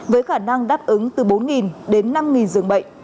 với khả năng đáp ứng từ bốn đến năm dường bệnh